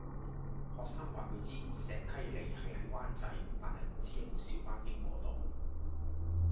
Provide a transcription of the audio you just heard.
學生話佢知石溪里係喺灣仔，但係唔知有冇小巴經嗰度